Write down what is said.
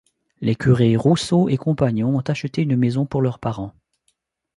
Les curés Rousseau et Compagnon ont acheté une maison pour leurs parents.